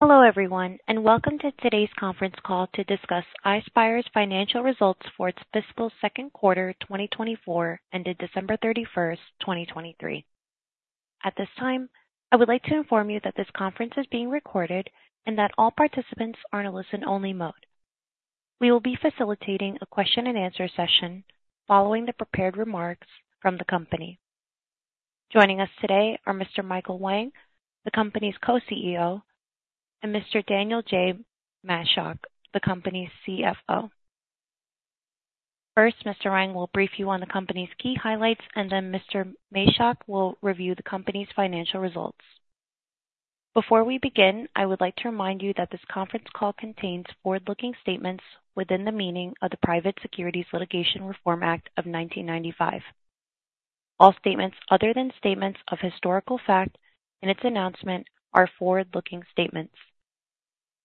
Hello, everyone, and welcome to today's conference call to discuss Ispire's financial results for its fiscal second quarter, 2024, ended December 31, 2023. At this time, I would like to inform you that this conference is being recorded and that all participants are in a listen-only mode. We will be facilitating a question and answer session following the prepared remarks from the company. Joining us today are Mr. Michael Wang, the company's co-CEO, and Mr. Daniel J. Machock, the company's CFO. First, Mr. Wang will brief you on the company's key highlights, and then Mr. Machock will review the company's financial results. Before we begin, I would like to remind you that this conference call contains forward-looking statements within the meaning of the Private Securities Litigation Reform Act of 1995. All statements other than statements of historical fact in its announcement are forward-looking statements.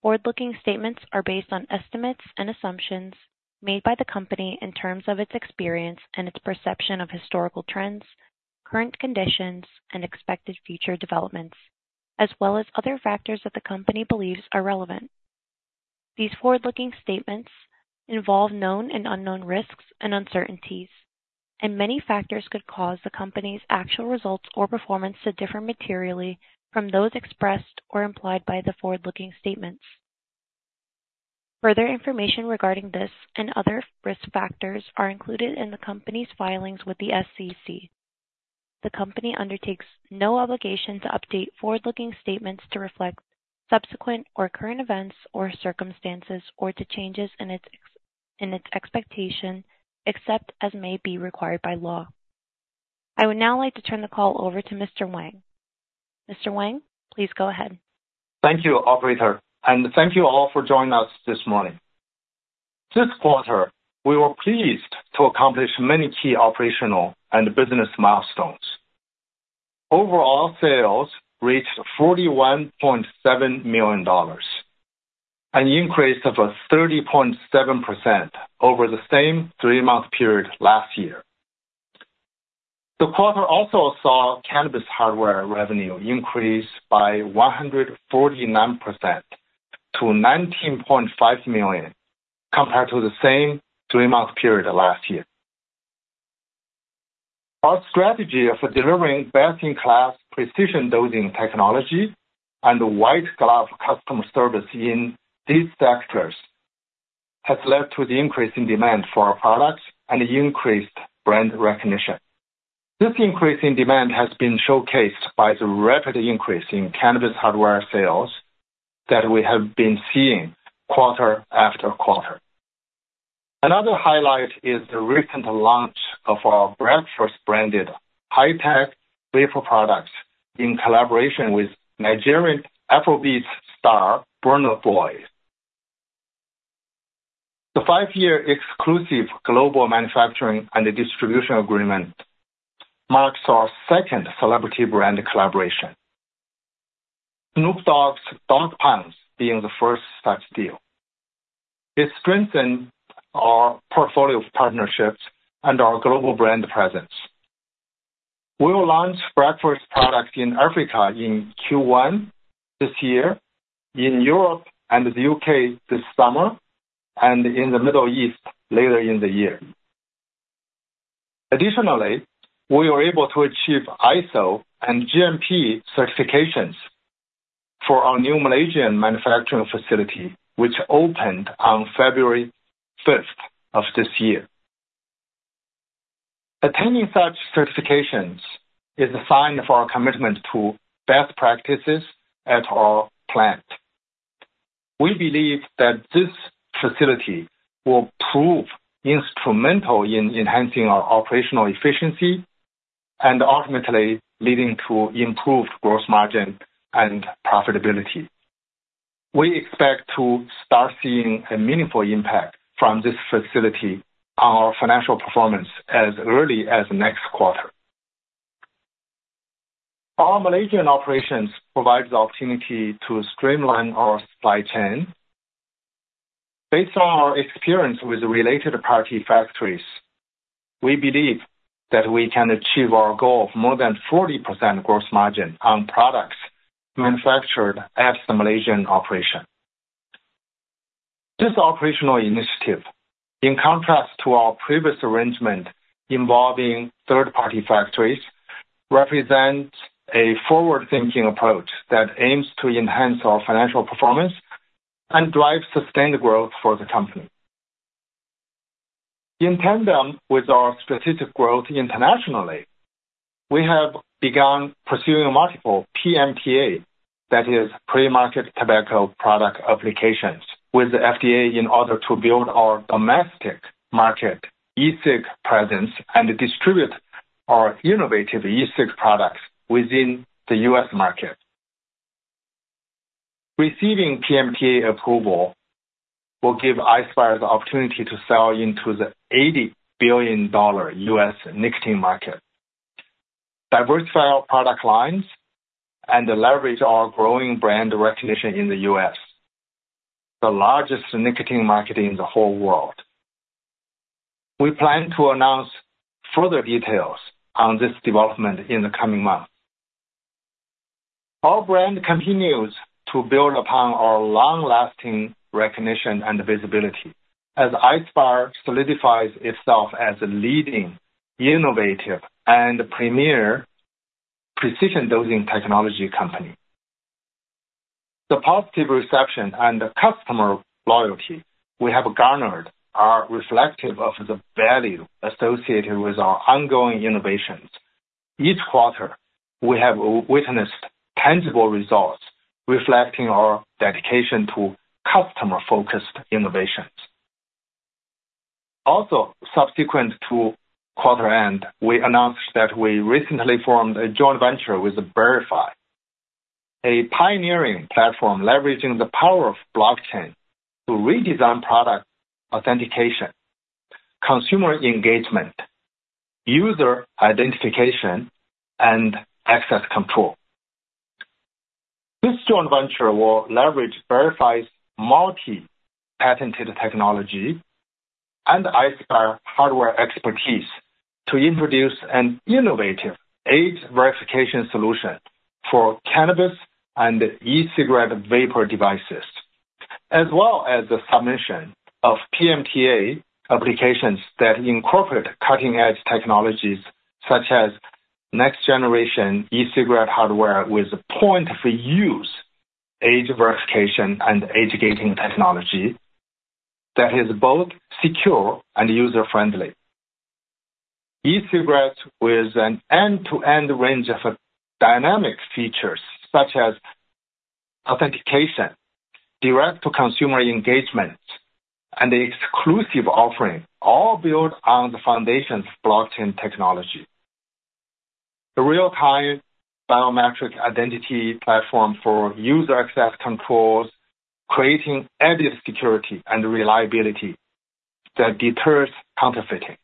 Forward-looking statements are based on estimates and assumptions made by the company in terms of its experience and its perception of historical trends, current conditions, and expected future developments, as well as other factors that the company believes are relevant. These forward-looking statements involve known and unknown risks and uncertainties, and many factors could cause the company's actual results or performance to differ materially from those expressed or implied by the forward-looking statements. Further information regarding this and other risk factors are included in the company's filings with the SEC. The company undertakes no obligation to update forward-looking statements to reflect subsequent or current events or circumstances, or to changes in its expectations, except as may be required by law. I would now like to turn the call over to Mr. Wang. Mr. Wang, please go ahead. Thank you, operator, and thank you all for joining us this morning. This quarter, we were pleased to accomplish many key operational and business milestones. Overall sales reached $41.7 million, an increase of 30.7% over the same three-month period last year. The quarter also saw cannabis hardware revenue increase by 149% to $19.5 million, compared to the same three-month period last year. Our strategy for delivering best-in-class precision dosing technology and white glove customer service in these sectors has led to the increase in demand for our products and increased brand recognition. This increase in demand has been showcased by the rapid increase in cannabis hardware sales that we have been seeing quarter after quarter. Another highlight is the recent launch of our BrkFst branded high-tech wafer products in collaboration with Nigerian Afrobeats star, Burna Boy. The five-year exclusive global manufacturing and distribution agreement marks our second celebrity brand collaboration. Snoop Dogg's Dogg Lbs being the first such deal. It strengthened our portfolio of partnerships and our global brand presence. We will launch BrkFst products in Africa in Q1 this year, in Europe and the UK this summer, and in the Middle East later in the year. Additionally, we were able to achieve ISO and GMP certifications for our new Malaysian manufacturing facility, which opened on February fifth of this year. Attaining such certifications is a sign of our commitment to best practices at our plant. We believe that this facility will prove instrumental in enhancing our operational efficiency and ultimately leading to improved gross margin and profitability. We expect to start seeing a meaningful impact from this facility, our financial performance, as early as next quarter. Our Malaysian operations provides the opportunity to streamline our supply chain. Based on our experience with related party factories, we believe that we can achieve our goal of more than 40% gross margin on products manufactured at the Malaysian operation. This operational initiative, in contrast to our previous arrangement involving third-party factories, represents a forward-thinking approach that aims to enhance our financial performance and drive sustained growth for the company. In tandem with our strategic growth internationally, we have begun pursuing multiple PMTA, that is Premarket Tobacco Product Applications, with the FDA in order to build our domestic market e-cig presence and distribute our innovative e-cig products within the U.S. market. Receiving PMTA approval will give Ispire the opportunity to sell into the $80 billion U.S. nicotine market, diversify our product lines, and leverage our growing brand recognition in the U.S., the largest nicotine market in the whole world. We plan to announce further details on this development in the coming months. Our brand continues to build upon our long-lasting recognition and visibility, as Ispire solidifies itself as a leading, innovative, and premier precision dosing technology company. The positive reception and the customer loyalty we have garnered are reflective of the value associated with our ongoing innovations. Each quarter, we have witnessed tangible results reflecting our dedication to customer-focused innovations. Also, subsequent to quarter end, we announced that we recently formed a joint venture with Berify, a pioneering platform leveraging the power of blockchain to redesign product authentication, consumer engagement, user identification, and access control. This joint venture will leverage Berify's multi-patented technology and Ispire hardware expertise to introduce an innovative age verification solution for cannabis and e-cigarette vapor devices, as well as the submission of PMTA applications that incorporate cutting-edge technologies, such as next-generation e-cigarette hardware, with point-of-use age verification and age gating technology that is both secure and user-friendly. E-cigarettes with an end-to-end range of dynamic features, such as authentication, direct-to-consumer engagement, and exclusive offerings, all built on the foundations of blockchain technology. The real-time biometric identity platform for user access controls, creating added security and reliability that deters counterfeiting.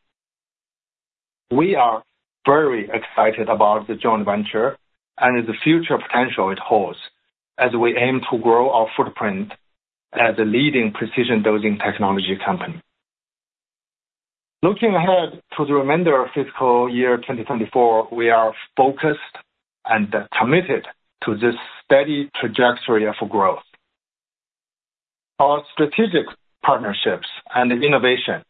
We are very excited about the joint venture and the future potential it holds as we aim to grow our footprint as a leading precision dosing technology company. Looking ahead to the remainder of fiscal year 2024, we are focused and committed to this steady trajectory of growth. Our strategic partnerships and innovation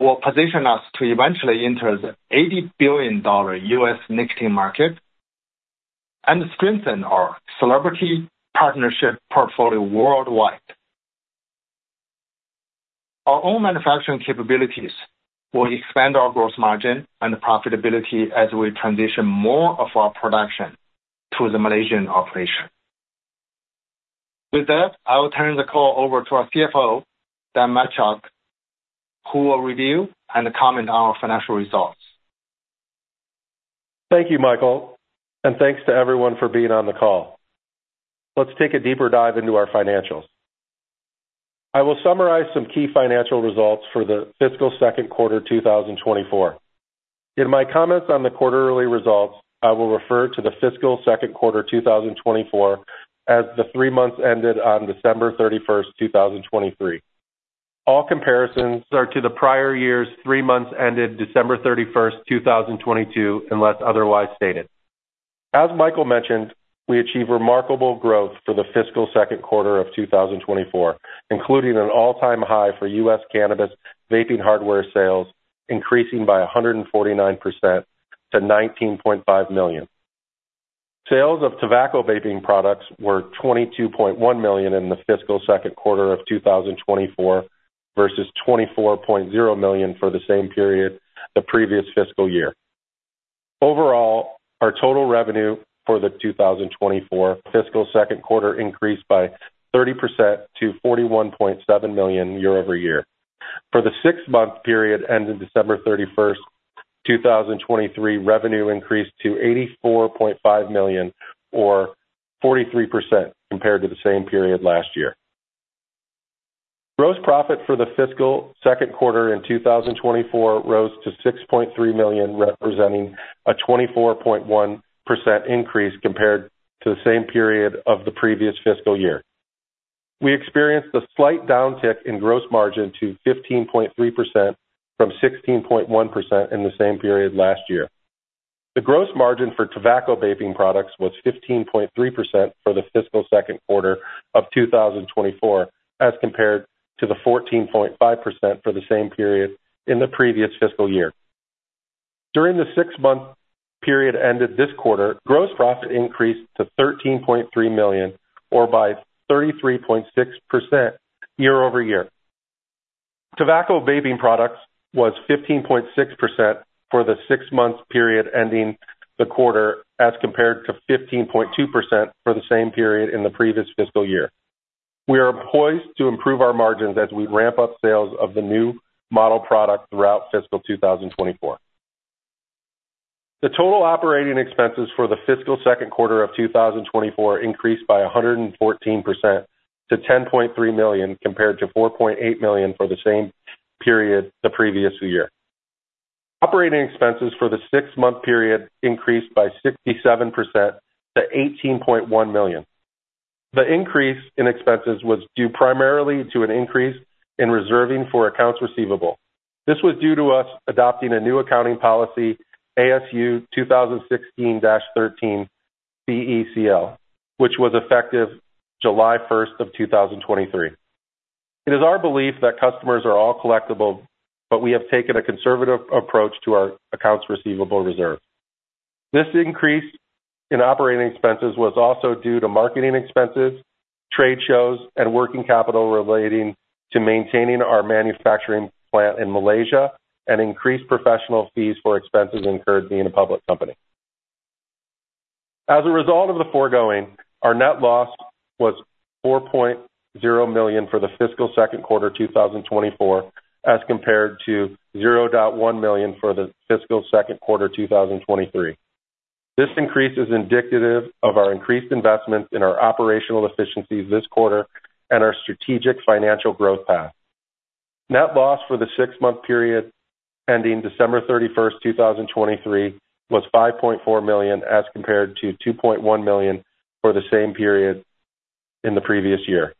will position us to eventually enter the $80 billion U.S. nicotine market and strengthen our celebrity partnership portfolio worldwide. Our own manufacturing capabilities will expand our gross margin and profitability as we transition more of our production to the Malaysian operation. With that, I will turn the call over to our CFO, Dan Machock, who will review and comment on our financial results. Thank you, Michael, and thanks to everyone for being on the call. Let's take a deeper dive into our financials. I will summarize some key financial results for the fiscal second quarter, 2024. In my comments on the quarterly results, I will refer to the fiscal second quarter, 2024, as the three months ended on December 31st, 2023. All comparisons are to the prior year's three months, ended December 31st, 2022, unless otherwise stated. As Michael mentioned, we achieved remarkable growth for the fiscal second quarter of 2024, including an all-time high for U.S. cannabis vaping hardware sales, increasing by 149% to $19.5 million. Sales of tobacco vaping products were $22.1 million in the fiscal second quarter of 2024, versus $24.0 million for the same period the previous fiscal year. Overall, our total revenue for the 2024 fiscal second quarter increased by 30% to $41.7 million year-over-year. For the six-month period ended December 31, 2023, revenue increased to $84.5 million, or 43% compared to the same period last year. Gross profit for the fiscal second quarter in 2024 rose to $6.3 million, representing a 24.1% increase compared to the same period of the previous fiscal year. We experienced a slight downtick in gross margin to 15.3% from 16.1% in the same period last year. The gross margin for tobacco vaping products was 15.3% for the fiscal second quarter of 2024, as compared to the 14.5% for the same period in the previous fiscal year. During the six-month period ended this quarter, gross profit increased to $13.3 million, or by 33.6% year-over-year. Tobacco vaping products was 15.6% for the six-month period ending the quarter, as compared to 15.2% for the same period in the previous fiscal year. We are poised to improve our margins as we ramp up sales of the new model product throughout fiscal 2024. The total operating expenses for the fiscal second quarter of 2024 increased by 114% to $10.3 million, compared to $4.8 million for the same period the previous year. Operating expenses for the six-month period increased by 67% to $18.1 million. The increase in expenses was due primarily to an increase in reserving for accounts receivable. This was due to us adopting a new accounting policy, ASU 2016-13 CECL, which was effective July 1st, 2023. It is our belief that customers are all collectible, but we have taken a conservative approach to our accounts receivable reserve. This increase in operating expenses was also due to marketing expenses, trade shows, and working capital relating to maintaining our manufacturing plant in Malaysia, and increased professional fees for expenses incurred being a public company. As a result of the foregoing, our net loss was $4.0 million for the fiscal second quarter 2024, as compared to $0.1 million for the fiscal second quarter 2023. This increase is indicative of our increased investment in our operational efficiencies this quarter and our strategic financial growth path. Net loss for the six-month period ending December 31st, 2023, was $5.4 million, as compared to $2.1 million for the same period in the previous year.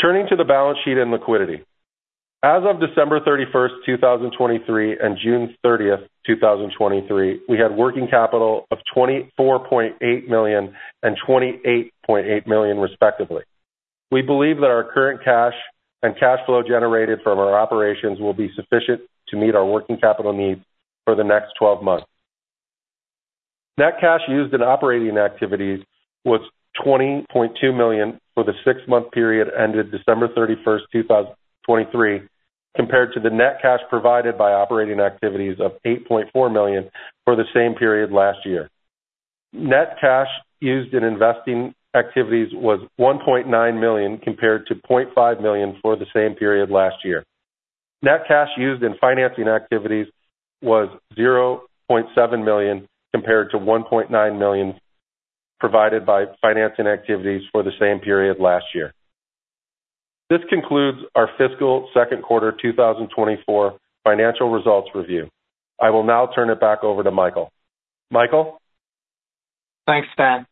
Turning to the balance sheet and liquidity. As of December 31st, 2023, and June 30, 2023, we had working capital of $24.8 million and $28.8 million, respectively. We believe that our current cash and cash flow generated from our operations will be sufficient to meet our working capital needs for the next 12 months. Net cash used in operating activities was $20.2 million for the six-month period ended December 31st, 2023, compared to the net cash provided by operating activities of $8.4 million for the same period last year. Net cash used in investing activities was $1.9 million, compared to $0.5 million for the same period last year. Net cash used in financing activities was $0.7 million, compared to $1.9 million provided by financing activities for the same period last year. This concludes our fiscal second quarter 2024 financial results review. I will now turn it back over to Michael. Michael? Thanks, Dan.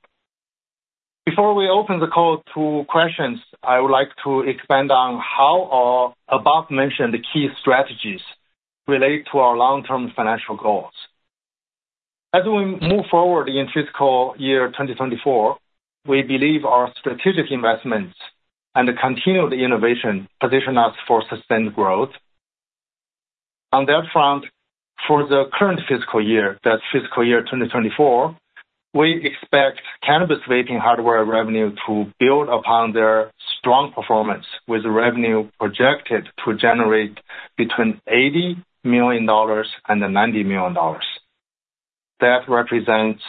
Before we open the call to questions, I would like to expand on how our above-mentioned key strategies relate to our long-term financial goals. As we move forward in fiscal year 2024, we believe our strategic investments and the continued innovation position us for sustained growth. On that front, for the current fiscal year, that's fiscal year 2024, we expect cannabis vaping hardware revenue to build upon their strong performance, with revenue projected to generate between $80 million and $90 million. That represents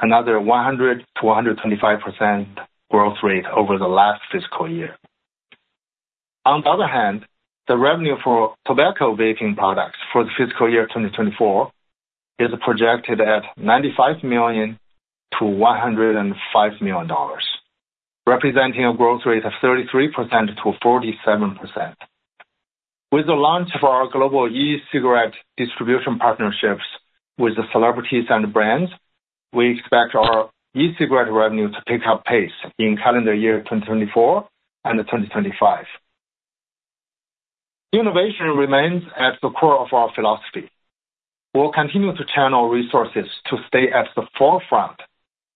another 100%-125% growth rate over the last fiscal year. On the other hand, the revenue for tobacco vaping products for the fiscal year 2024 is projected at $95 million-$105 million, representing a growth rate of 33%-47%. With the launch of our global e-cigarette distribution partnerships with the celebrities and brands, we expect our e-cigarette revenue to pick up pace in calendar year 2024 and 2025. Innovation remains at the core of our philosophy. We'll continue to channel resources to stay at the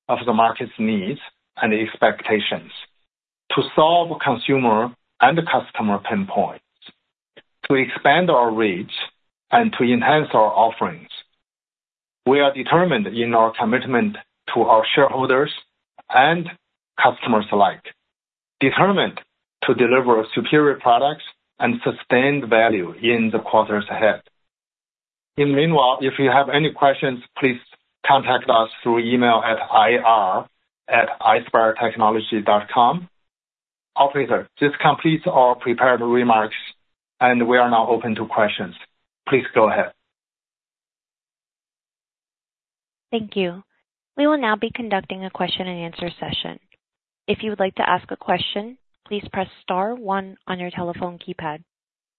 forefront of the market's needs and expectations, to solve consumer and customer pain points, to expand our reach, and to enhance our offerings. We are determined in our commitment to our shareholders and customers alike, determined to deliver superior products and sustained value in the quarters ahead. In the meanwhile, if you have any questions, please contact us through email at ir@ispiretechnology.com. Operator, this completes our prepared remarks, and we are now open to questions. Please go ahead. Thank you. We will now be conducting a question-and-answer session. If you would like to ask a question, please press star one on your telephone keypad.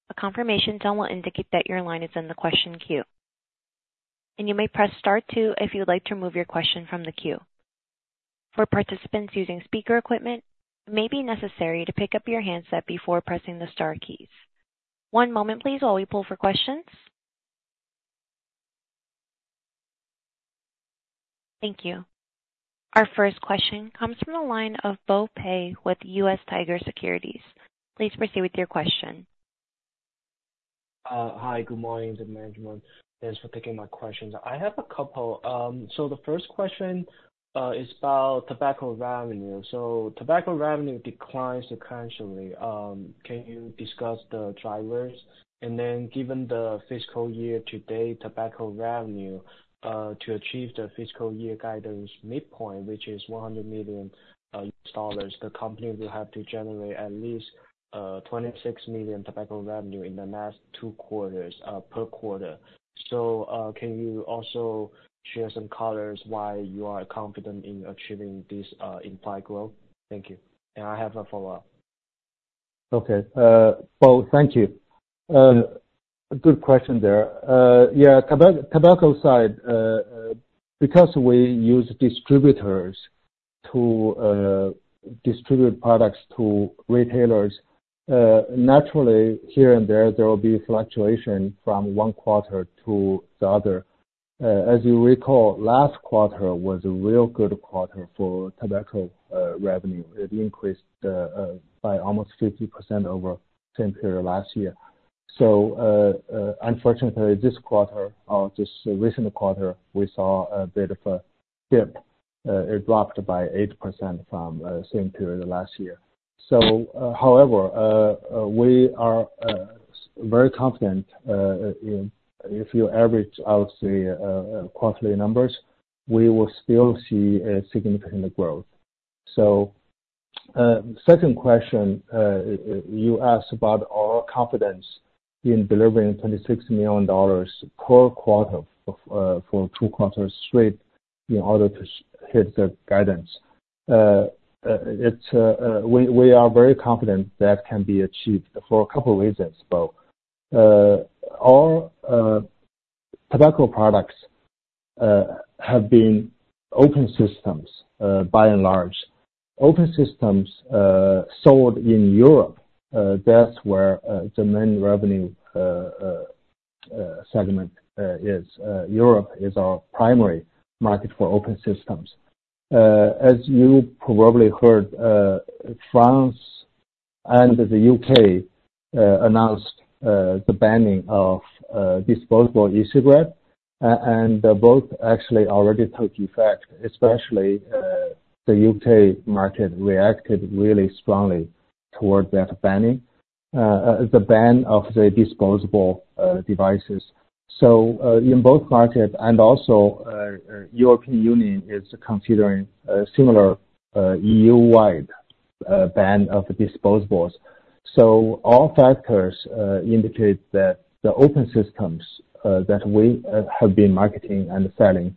A confirmation tone will indicate that your line is in the question queue. You may press star two if you would like to remove your question from the queue. For participants using speaker equipment, it may be necessary to pick up your handset before pressing the star keys. One moment, please, while we pull for questions. Thank you. Our first question comes from the line of Bo Pei with US Tiger Securities. Please proceed with your question. Hi, good morning to management. Thanks for taking my questions. I have a couple. So the first question is about tobacco revenue. So tobacco revenue declines sequentially. Can you discuss the drivers? And then, given the fiscal year-to-date tobacco revenue, to achieve the fiscal year guidance midpoint, which is $100 million, the company will have to generate at least $26 million tobacco revenue in the last two quarters per quarter. So can you also share some colors why you are confident in achieving this implied growth? Thank you. And I have a follow-up. Okay, Bo, thank you. A good question there. Yeah, tobacco side, because we use distributors to distribute products to retailers, naturally, here and there, there will be fluctuation from one quarter to the other. As you recall, last quarter was a real good quarter for tobacco revenue. It increased by almost 50% over same period last year. So, unfortunately, this quarter, or this recent quarter, we saw a bit of a dip. It dropped by 8% from same period last year. So, however, we are very confident in, if you average out the quarterly numbers, we will still see a significant growth. So, second question, you asked about our confidence in delivering $26 million per quarter for two quarters straight in order to hit the guidance. We are very confident that can be achieved for a couple reasons, Bo. Our tobacco products have been open systems by and large. Open systems sold in Europe, that's where the main revenue segment is. Europe is our primary market for open systems. As you probably heard, France and the U.K. announced the banning of disposable e-cigarette and both actually already took effect, especially the U.K. market reacted really strongly toward that banning. The ban of the disposable devices. So, in both markets and also, European Union is considering a similar, EU-wide, ban of disposables. So all factors indicate that the open systems that we have been marketing and selling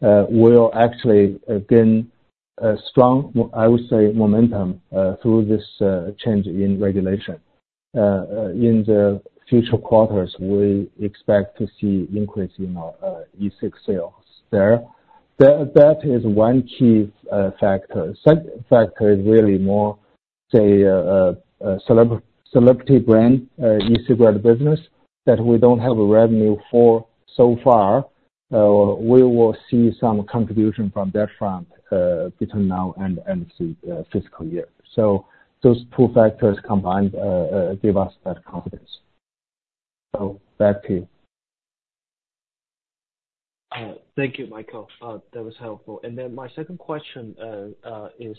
will actually gain a strong, I would say, momentum through this change in regulation. In the future quarters, we expect to see increase in our e-cig sales there. That is one key factor. Second factor is really more, say, celebrity brand e-cigarette business that we don't have a revenue for so far. We will see some contribution from that front between now and end of the fiscal year. So those two factors combined give us that confidence. So back to you. Thank you, Michael. That was helpful. And then my second question is,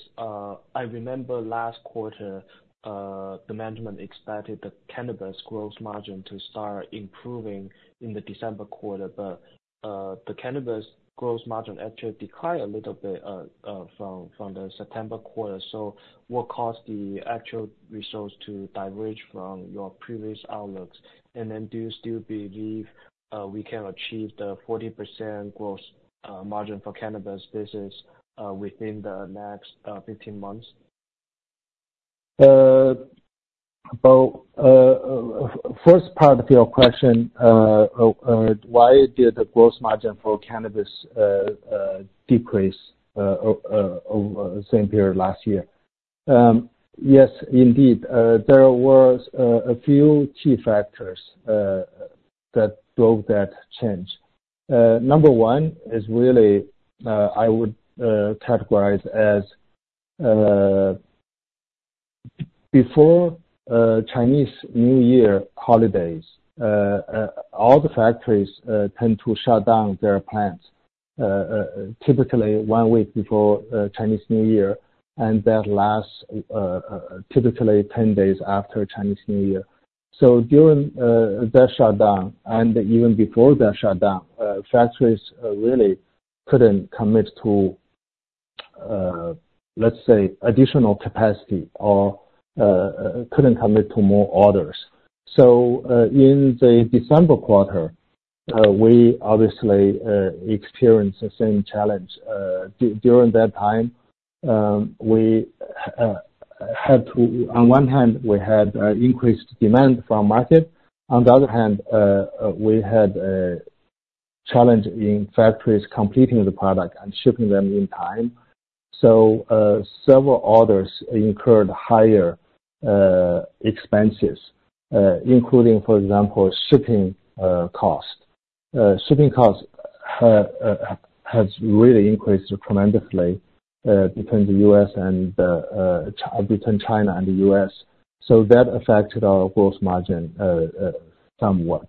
I remember last quarter, the management expected the cannabis gross margin to start improving in the December quarter, but the cannabis gross margin actually declined a little bit from the September quarter. So what caused the actual results to diverge from your previous outlooks? And then do you still believe we can achieve the 40% gross margin for cannabis business within the next 15 months? Bo, first part of your question, why did the gross margin for cannabis decrease over the same period last year? Yes, indeed. There was a few key factors that drove that change. Number one is really, I would categorize as before Chinese New Year holidays, all the factories tend to shut down their plants, typically one week before Chinese New Year, and that lasts typically ten days after Chinese New Year. So during that shutdown and even before the shutdown, factories really couldn't commit to, let's say, additional capacity or couldn't commit to more orders. So, in the December quarter, we obviously experienced the same challenge. During that time, we had to, on one hand, we had increased demand from market. On the other hand, we had a challenge in factories completing the product and shipping them in time. So, several orders incurred higher expenses, including, for example, shipping cost. Shipping cost has really increased tremendously between China and the U.S. So that affected our gross margin somewhat.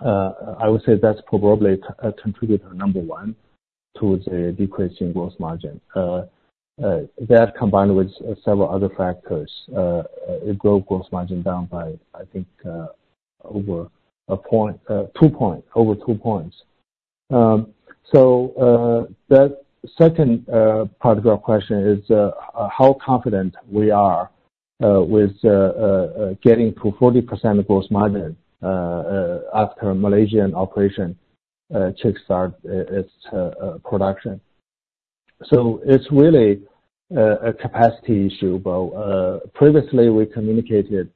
I would say that's probably contributed to number one, towards a decrease in gross margin. That, combined with several other factors, it drove gross margin down by, I think, over two points. So, the second part of your question is, how confident we are with getting to 40% gross margin after Malaysian operation kick start its production? So it's really a capacity issue, Bo. Previously, we communicated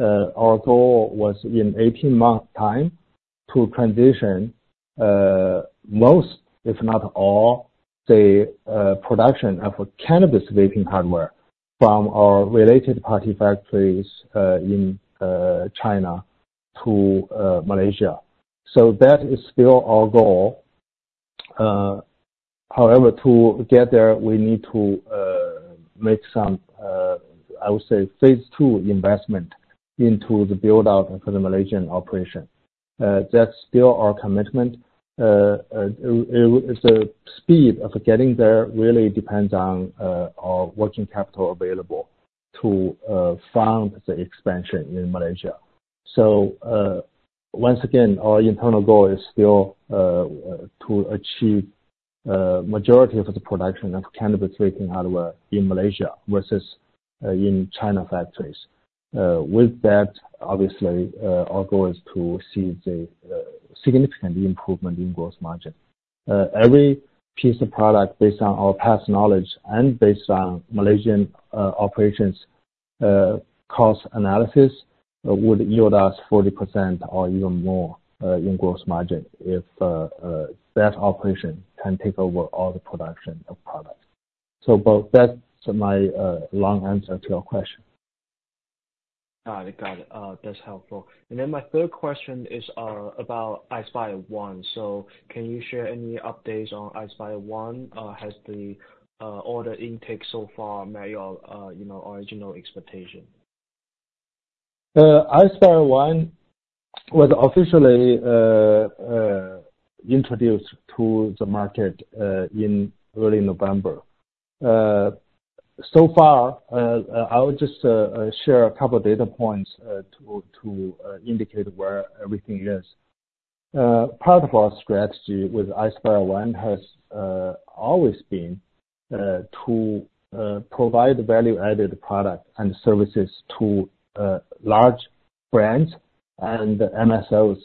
our goal was in 18 months' time to transition most, if not all, the production of cannabis vaping hardware from our related party factories in China to Malaysia. So that is still our goal. However, to get there, we need to make some, I would say, phase two investment into the build out for the Malaysian operation. That's still our commitment. The speed of getting there really depends on our working capital available to fund the expansion in Malaysia. So, once again, our internal goal is still to achieve majority of the production of cannabis vaping hardware in Malaysia versus in China factories. With that, obviously, our goal is to see the significant improvement in gross margin. Every piece of product based on our past knowledge and based on Malaysian operations cost analysis would yield us 40% or even more in gross margin if that operation can take over all the production of product. So Bo, that's my long answer to your question. Got it, got it. That's helpful. And then my third question is about Ispire ONE. So can you share any updates on Ispire ONE? Has the order intake so far met your, you know, original expectation? Ispire ONE was officially introduced to the market in early November. So far, I would just share a couple of data points to indicate where everything is. Part of our strategy with Ispire ONE has always been to provide value-added product and services to large brands and MSOs,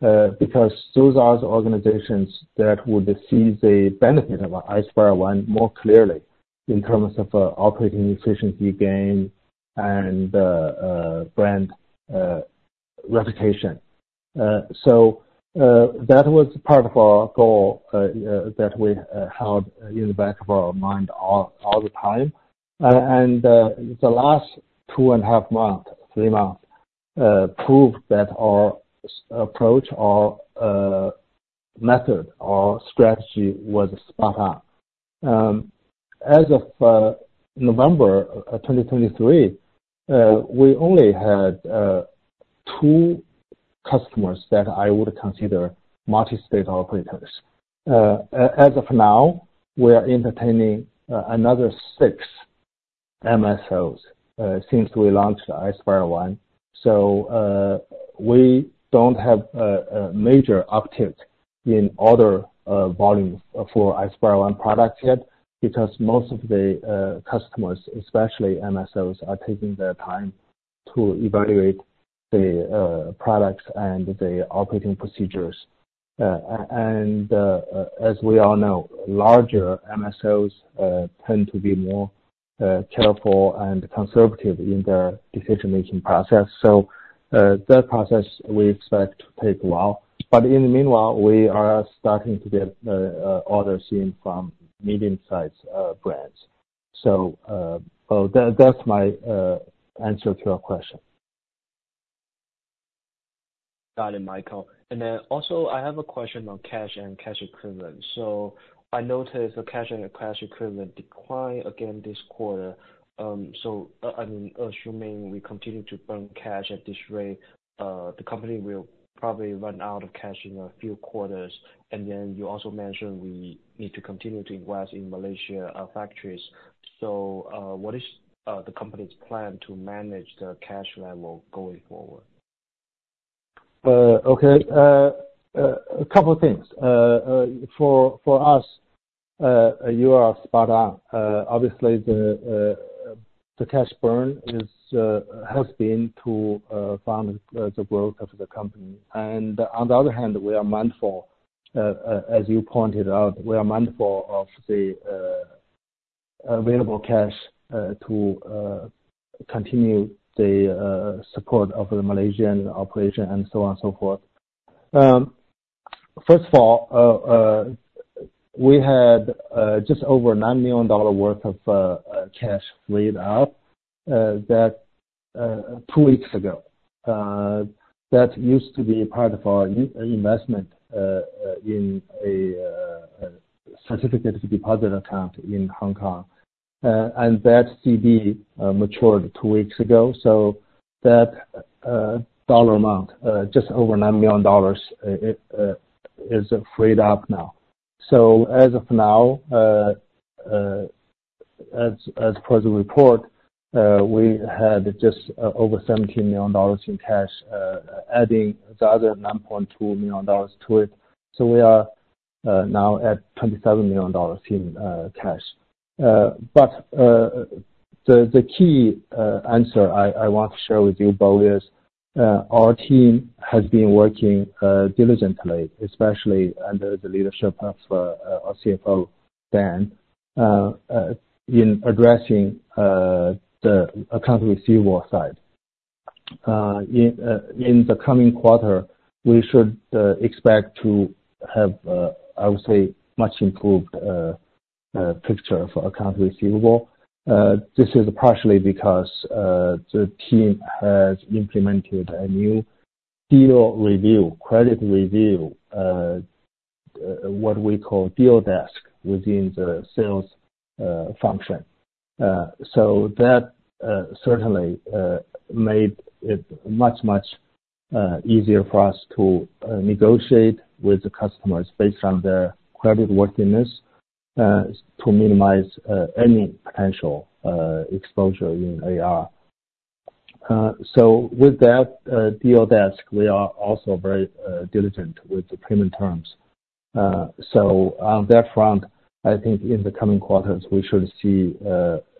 because those are the organizations that would see the benefit of Ispire ONE more clearly in terms of operating efficiency gain and brand reputation. So, that was part of our goal that we had in the back of our mind all the time. And the last two and a half months, three months proved that our approach, our method, our strategy was spot on. As of November 2023, we only had two customers that I would consider multi-state operators. As of now, we are entertaining another six MSOs since we launched the Ispire ONE. So, we don't have a major uptick in order volumes for Ispire ONE product yet, because most of the customers, especially MSOs, are taking their time to evaluate the products and the operating procedures. And, as we all know, larger MSOs tend to be more careful and conservative in their decision-making process. So, that process we expect to take a while. But in the meanwhile, we are starting to get orders in from medium-sized brands. So, Bo, that's my answer to your question. Got it, Michael. And then also, I have a question on cash and cash equivalent. So I noticed the cash and the cash equivalent declined again this quarter. I'm assuming we continue to burn cash at this rate, the company will probably run out of cash in a few quarters. And then you also mentioned we need to continue to invest in Malaysia factories. So, what is the company's plan to manage the cash level going forward? Okay. A couple of things. For us, you are spot on. Obviously, the cash burn has been to fund the growth of the company. And on the other hand, we are mindful, as you pointed out, we are mindful of the available cash to continue the support of the Malaysian operation and so on and so forth. First of all, we had just over $9 million worth of cash laid out, that two weeks ago. That used to be part of our investment in a certificate deposit account in Hong Kong. And that CD matured two weeks ago, so that dollar amount, just over $9 million, it is freed up now. So as of now, as per the report, we had just over $17 million in cash, adding the other $9.2 million to it. So we are now at $27 million in cash. But the key answer I want to share with you, Bo, is our team has been working diligently, especially under the leadership of our CFO, Dan, in addressing the accounts receivable side. In the coming quarter, we should expect to have, I would say, much improved picture for accounts receivable. This is partially because the team has implemented a new deal review, credit review, what we call deal desk, within the sales function. So that certainly made it much, much easier for us to negotiate with the customers based on their creditworthiness, to minimize any potential exposure in AR. So with that deal desk, we are also very diligent with the payment terms. So on that front, I think in the coming quarters, we should see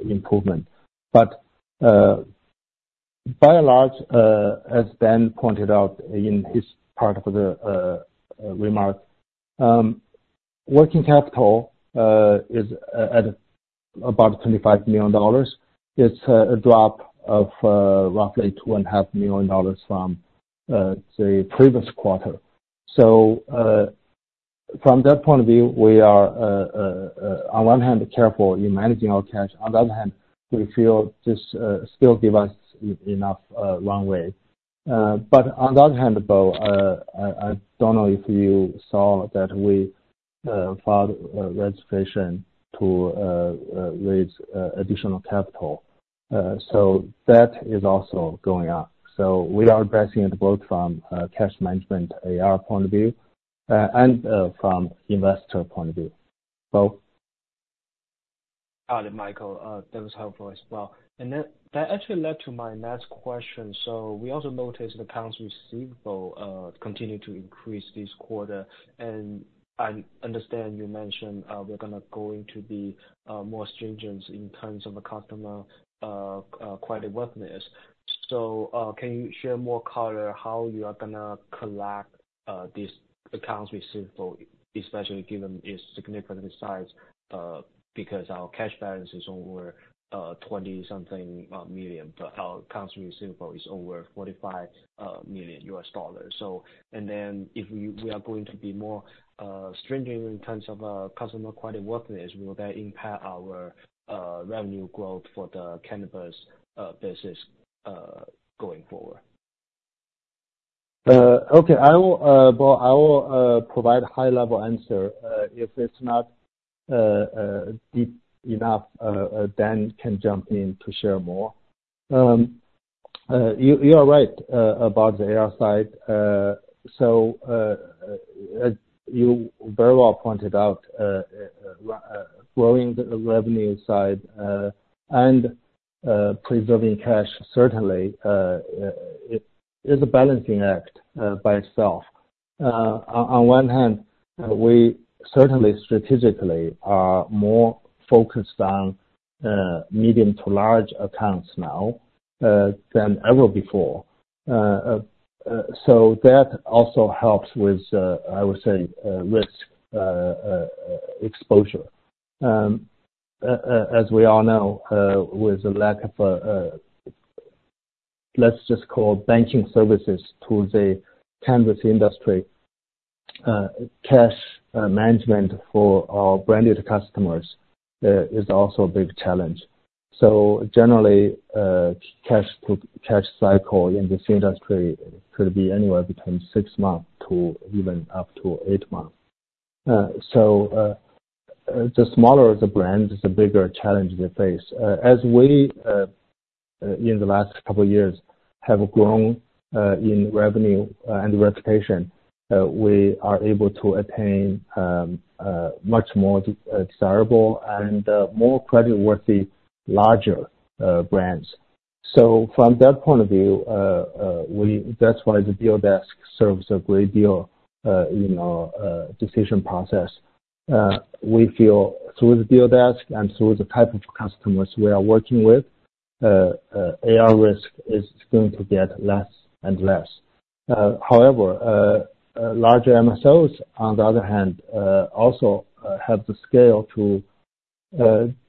improvement. But by and large, as Dan pointed out in his part of the remark, working capital is at about $25 million. It's a drop of roughly $2.5 million from the previous quarter. So, from that point of view, we are on one hand careful in managing our cash. On the other hand, we feel this still give us enough runway. But on the other hand, Bo, I don't know if you saw that we filed a registration to raise additional capital. So that is also going up. So we are addressing it both from a cash management AR point of view and from investor point of view. Bo? Got it, Michael. That was helpful as well. And then that actually led to my next question. So we also noticed the accounts receivable continued to increase this quarter, and I understand you mentioned we're going to be more stringent in terms of the customer creditworthiness. So can you share more color how you are going to collect these accounts receivable, especially given its significant size, because our cash balance is over $20-something million, but our accounts receivable is over $45 million. So and then if we are going to be more stringent in terms of our customer creditworthiness, will that impact our revenue growth for the cannabis business going forward? Okay. I will, Bo, I will provide high-level answer. If it's not deep enough, Dan can jump in to share more. You are right about the AR side. So, you very well pointed out growing the revenue side and preserving cash certainly is a balancing act by itself. On one hand, we certainly strategically are more focused on medium to large accounts now than ever before. So that also helps with, I would say, risk exposure. As we all know, with the lack of, let's just call banking services to the cannabis industry, cash management for our branded customers is also a big challenge. So generally, cash to cash cycle in this industry could be anywhere between 6 months to even up to 8 months. The smaller the brand, the bigger challenge they face. As we in the last couple of years have grown in revenue and reputation, we are able to attain a much more desirable and more creditworthy larger brands. So from that point of view, that's why the deal desk serves a great deal in our decision process. We feel through the deal desk and through the type of customers we are working with, AR risk is going to get less and less. However, larger MSOs, on the other hand, also have the scale to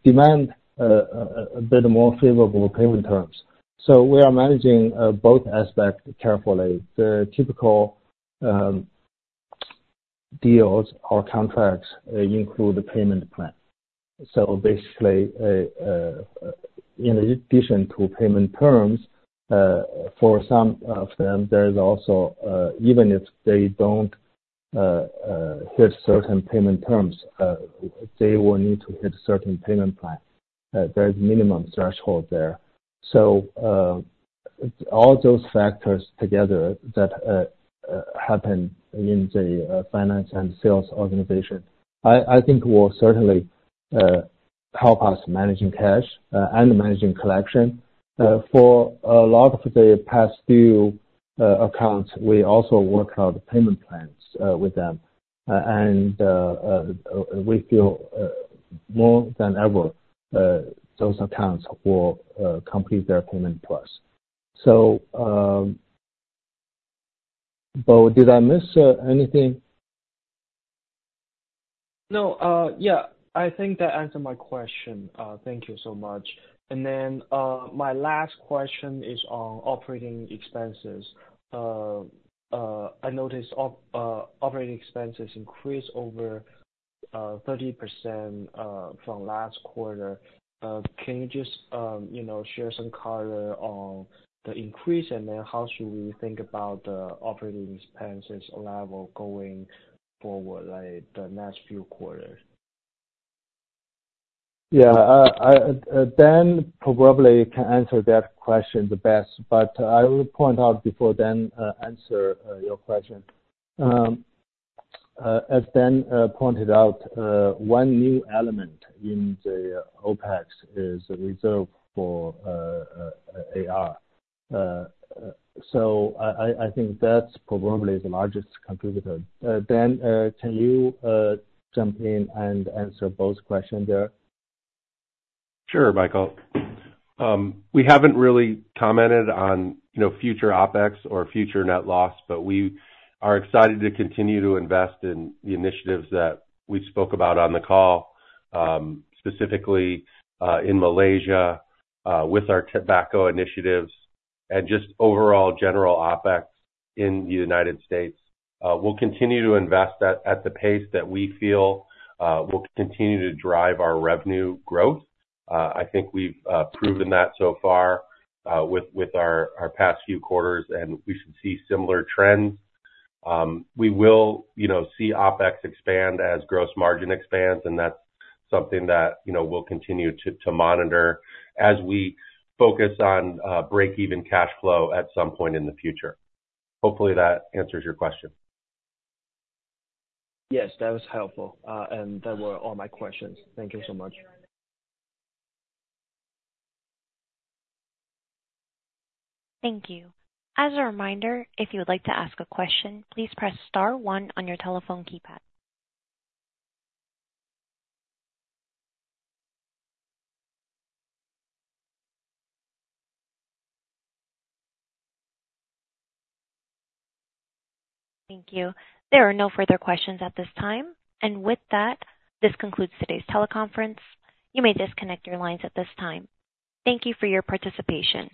demand a bit more favorable payment terms. So we are managing both aspects carefully. The typical deals or contracts include a payment plan. So basically, in addition to payment terms, for some of them, there's also, even if they don't hit certain payment terms, they will need to hit certain payment plan. There is minimum threshold there. So all those factors together that happen in the finance and sales organization, I think will certainly help us managing cash and managing collection for a lot of the past due accounts, we also work out payment plans with them. And we feel more than ever those accounts will complete their payment to us. So Bo, did I miss anything? No, yeah, I think that answered my question. Thank you so much. And then, my last question is on operating expenses. I noticed operating expenses increased over 30%, from last quarter. Can you just, you know, share some color on the increase, and then how should we think about the operating expenses level going forward, like the next few quarters? Yeah, I, Dan probably can answer that question the best, but I would point out before Dan, answer, your question. As Dan, pointed out, one new element in the OpEx is reserve for, AR. Dan, can you, jump in and answer Bo's question there? Sure, Michael. We haven't really commented on, you know, future OpEx or future net loss, but we are excited to continue to invest in the initiatives that we spoke about on the call, specifically, in Malaysia, with our tobacco initiatives and just overall general OpEx in the United States. We'll continue to invest at the pace that we feel will continue to drive our revenue growth. I think we've proven that so far, with our past few quarters, and we should see similar trends. We will, you know, see OpEx expand as gross margin expands, and that's something that, you know, we'll continue to monitor as we focus on break-even cash flow at some point in the future. Hopefully, that answers your question. Yes, that was helpful, and those were all my questions. Thank you so much. Thank you. As a reminder, if you would like to ask a question, please press star one on your telephone keypad. Thank you. There are no further questions at this time. With that, this concludes today's teleconference. You may disconnect your lines at this time. Thank you for your participation.